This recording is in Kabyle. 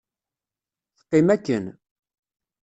Teqqim akken…